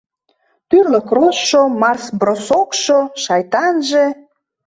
Тӱрлӧ кроссшо, марш-бросокшо, шайтанже...